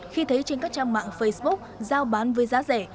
khi thấy trên các trang mạng facebook giao bán với giá rẻ